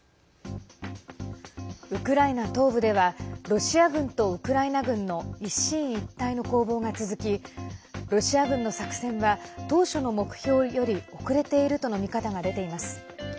ウクライナ東部ではロシア軍とウクライナ軍の一進一退の攻防が続きロシア軍の作戦は当初の目標より遅れているとの見方が出ています。